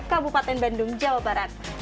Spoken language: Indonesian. kabupaten bandung jawa barat